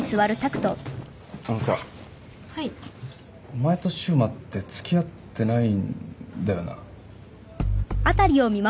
お前と柊磨ってつきあってないんだよな？